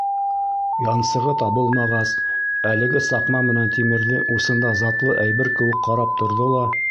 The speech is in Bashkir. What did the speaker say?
Янсығы табылмағас, әлеге саҡма менән тимерҙе усында затлы әйбер кеүек ҡарап торҙо ла: